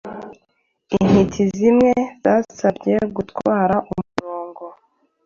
Intiti zimwe zasabye gutwara umurongo